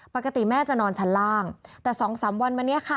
ปกติแม่จะนอนชั้นล่างแต่สองสามวันมาเนี่ยค่ะ